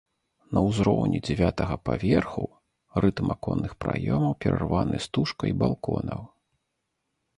На ўзроўні дзявятага паверху рытм аконных праёмаў перарваны стужкай балконаў.